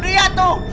itu dia tuh